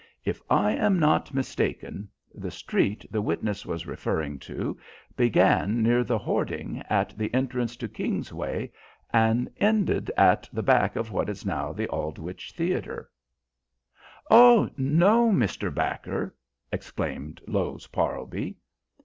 If I am not mistaken, the street the witness was referring to began near the hoarding at the entrance to Kingsway and ended at the back of what is now the Aldwych Theatre." "Oh, no, Mr. Backer!" exclaimed Lowes Parlby.